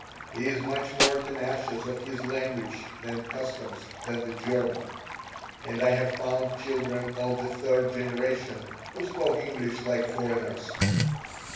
He is much more tenacious of his language and customs than the German, and I have found children of the third generation who spoke English like foreigners.